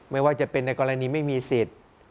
ไม่ว่าจะเป็นในกรณีไม่มีสิทธิ์